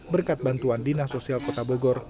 berkat bantuan dinas sosial kota bogor